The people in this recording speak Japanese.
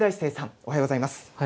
おはようございます。